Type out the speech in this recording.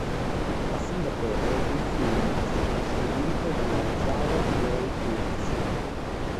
A Singapore, il film è stato distribuito dalla Zhao Wei Films.